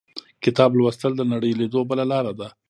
• کتاب لوستل، د نړۍ لیدو بله لاره ده.